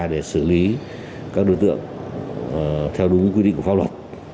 để xử lý các đối tượng theo đúng quy định của pháp luật